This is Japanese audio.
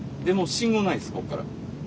でもう信号ないんですこっから。